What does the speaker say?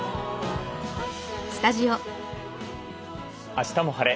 「あしたも晴れ！